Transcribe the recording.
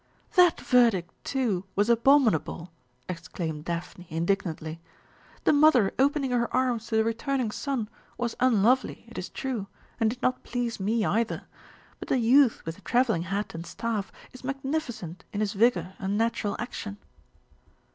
"That verdict, too, was abominable!" exclaimed Daphne indignantly. "The mother opening her arms to the returning son was unlovely, it is true, and did not please me either; but the youth with the travelling hat and staff is magnificent in his vigour and natural action."